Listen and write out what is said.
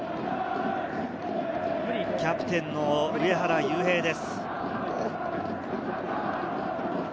キャプテンの上原悠平です。